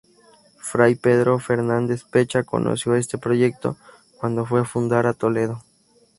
Fray Pedro Fernández Pecha conoció este proyecto cuando fue a fundar a Toledo.